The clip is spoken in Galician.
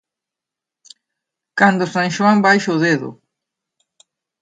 Cando San Xoán baixe o dedo.